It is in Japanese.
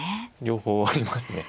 両方ありますね。